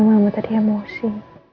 mama tadi emosi